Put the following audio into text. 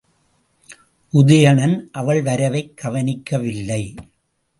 உதயணன் அவள் வரவைக் கவனிக்கவில்லை.